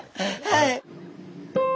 はい。